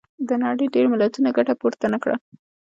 د نړۍ ډېری ملتونو ګټه پورته نه کړه.